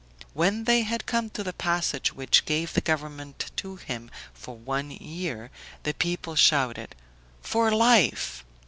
When they had come to the passage which gave the government to him for one year, the people shouted, "FOR LIFE."